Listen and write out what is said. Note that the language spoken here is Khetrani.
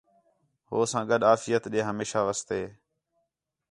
ہو ساں گڈ آفیت ݙے ہمیشاں واسطے